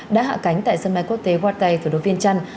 đã hạ cánh tại sân bay quốc tế watay thủ đô viên trăn